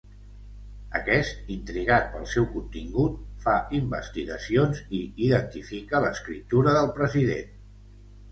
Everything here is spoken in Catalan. Aquest, intrigat pel seu contingut, fa investigacions i identifica l'escriptura del president.